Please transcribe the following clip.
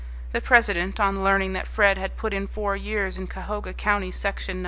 The president, on learning that Fred had put in four years in Cahoga County Section No.